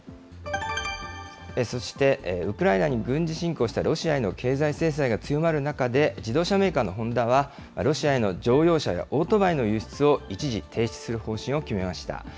そして、ウクライナに軍事侵攻したロシアへの経済制裁が強まる中で、自動車メーカーのホンダは、ロシアへの乗用車やオートバイの輸出を一時停止する方針を決めました。